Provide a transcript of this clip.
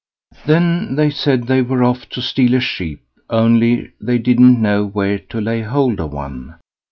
Then they said they were off to steal a sheep, only they didn't know where to lay hold of one.